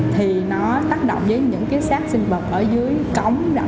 thì nó tác động với những cái sát sinh vật ở dưới cống